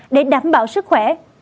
đảm bảo sức khỏe